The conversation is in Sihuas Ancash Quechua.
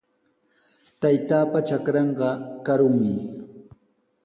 Taytaapa trankanqa rakumi.